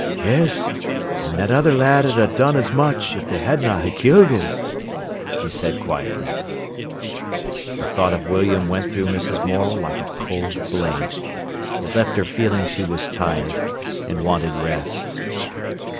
"Yes, an' that other lad 'ud 'a done as much if they hadna ha' killed 'im," he said quietly. The thought of William went through Mrs. Morel like a cold blade. It left her feeling she was tired, and wanted rest.